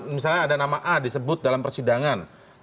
misalnya ada nama a disebut dalam persidangan